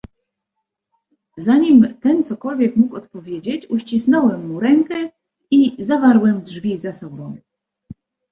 "Zanim ten cokolwiek mógł odpowiedzieć, uścisnąłem mu rękę i zawarłem drzwi za sobą."